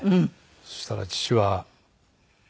そしたら父は。